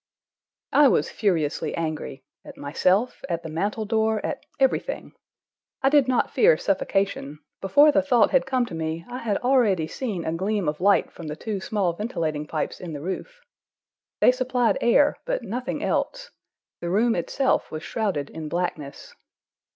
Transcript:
I was furiously angry—at myself, at the mantel door, at everything. I did not fear suffocation; before the thought had come to me I had already seen a gleam of light from the two small ventilating pipes in the roof. They supplied air, but nothing else. The room itself was shrouded in blackness.